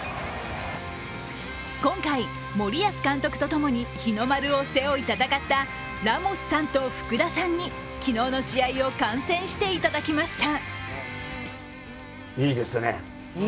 今回、森保監督とともに日の丸を背負い戦ったラモスさんと福田さんに昨日の試合を観戦していただきました。